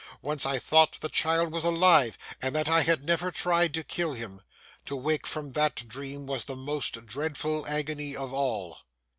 Once I thought the child was alive, and that I had never tried to kill him. To wake from that dream was the most dreadful agony of all.